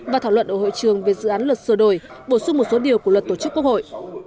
và thảo luận ở hội trường về dự án luật sửa đổi bổ sung một số điều của luật tổ chức quốc hội